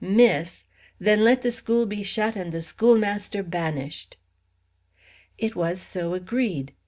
_ miss, then let the school be shut and the schoolmaster banish ed!" It was so agreed.